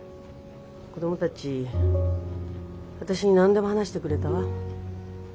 子供たち私に何でも話してくれたわ。